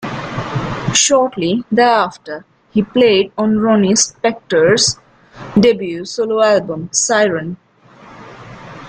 Shortly thereafter, he played on Ronnie Spector's debut solo album "Siren".